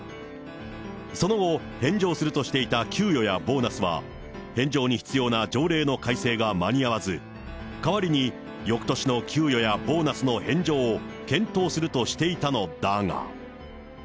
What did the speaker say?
その後、返上するとしていた給与やボーナスは、返上に必要な条例の改正が間に合わず、代わりによくとしの給与やボーナスの返上を検討するとしていたのだが。